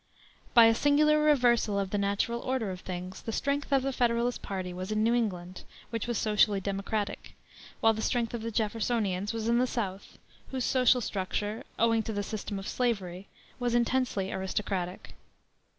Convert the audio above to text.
By a singular reversal of the natural order of things the strength of the Federalist party was in New England, which was socially democratic, while the strength of the Jeffersonians was in the South, whose social structure owing to the system of slavery was intensely aristocratic.